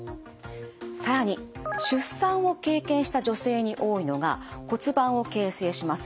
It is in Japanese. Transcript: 更に出産を経験した女性に多いのが骨盤を形成します